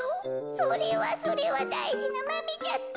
それはそれはだいじなマメじゃった。